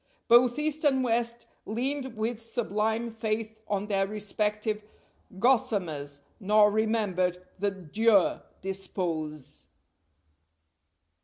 Both East and West leaned with sublime faith on their respective gossamers, nor remembered that "Dieu dispose."